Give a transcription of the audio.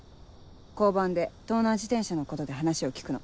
交番で盗難自転車のことで話を聞くの。